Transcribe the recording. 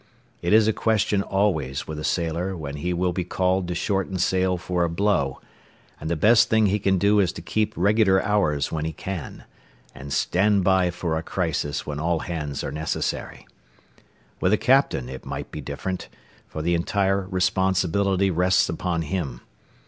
It is a question always with a sailor when he will be called to shorten sail for a blow, and the best thing he can do is to keep regular hours when he can, and stand by for a crisis when all hands are necessary. With a captain it might be different, for the entire responsibility rests upon him.